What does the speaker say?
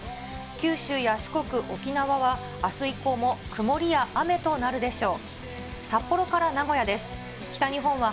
九州や四国、沖縄は、あす以降も曇りや雨となるでしょう。